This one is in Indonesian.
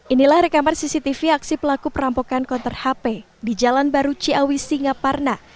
inilah rekaman cctv aksi pelaku perampokan konter hp di jalan baru ciawi singaparna